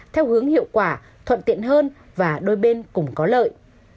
theo hướng hiệu quả thuận tiện hơn và đôi bên cũng có lợi